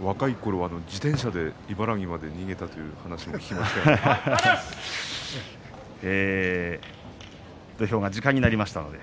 若いころは自転車で茨城まで逃げたという話がありましたね。